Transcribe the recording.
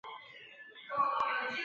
该运动制造了大量冤假错案。